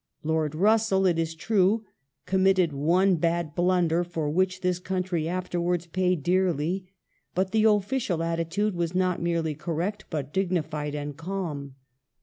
Lord Russell,^ it is true, committed one bad blunder, for which this country afterwards paid dearly, but the official attitude was not merely correct but dignified and calm.